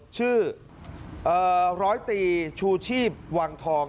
ชื่อร้อยตีชูชีพวังทอง